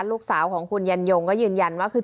ลูกสาวของคุณยันยงก็ยืนยันว่าคือ